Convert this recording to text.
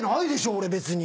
俺別に。